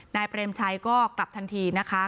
เปรมชัยก็กลับทันทีนะคะ